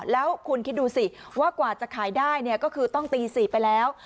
แล้วคุณคิดดูสิว่ากว่าจะขายได้เนี่ยก็คือต้องตี๔ไปแล้ว